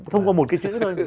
thông qua một cái chữ thôi